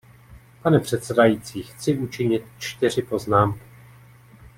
Pane předsedající, chci učinit čtyři poznámky.